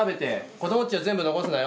子どもたちは全部残すなよ？